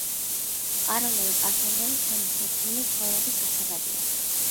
პაროლები პასვორდები ჩვენი ციფრული ცხოვრების გასაღებია.